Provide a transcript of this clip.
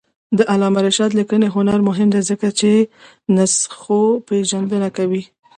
د علامه رشاد لیکنی هنر مهم دی ځکه چې نسخوپېژندنه کوي.